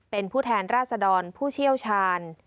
เป็นผู้แทนราษดรผู้เชี่ยวชาญ